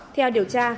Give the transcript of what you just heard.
theo điều tra